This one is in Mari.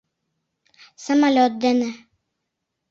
Самолёт дене.